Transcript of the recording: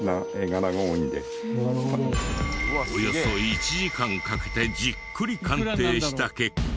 およそ１時間かけてじっくり鑑定した結果。